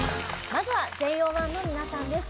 まずはＪＯ１の皆さんです。